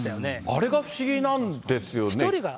あれが不思議なんですよね。